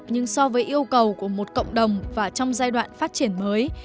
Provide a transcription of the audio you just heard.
nhưng so với yêu cầu của một cộng đồng và trong giai đoạn phát triển mới